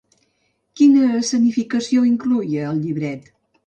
Quina escenificació incloïa el llibret?